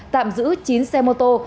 tạm giữ chín xe mô tô